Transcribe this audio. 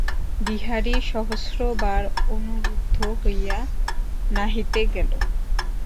বিহারী সহস্র বার অনুরুদ্ধ হইয়া নাহিতে গেল।